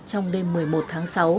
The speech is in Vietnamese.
trong đêm một mươi một tháng sáu